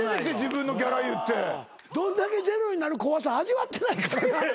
どんだけゼロになる怖さ味わってないからな。